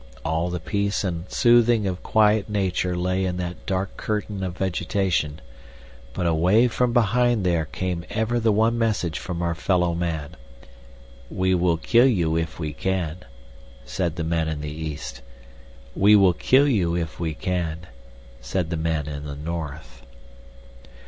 All the peace and soothing of quiet Nature lay in that dark curtain of vegetation, but away from behind there came ever the one message from our fellow man. "We will kill you if we can," said the men in the east. "We will kill you if we can," said the men in the north.